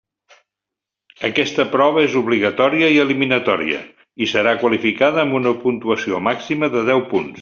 Aquesta prova és obligatòria i eliminatòria, i serà qualificada amb una puntuació màxima de deu punts.